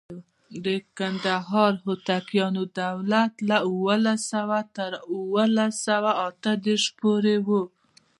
د کندهار هوتکیانو دولت له اوولس سوه تر اوولس سوه اته دیرش پورې و.